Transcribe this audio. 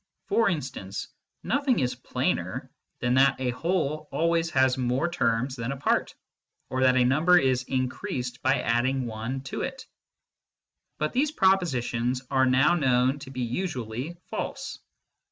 For instance, nothing is plainer than that a whole always has more terms than a part, or that a number is increased by add ing one to it. But these propositions are now known to be usually false.